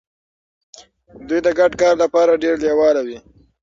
دوی د ګډ کار لپاره ډیر لیواله وي.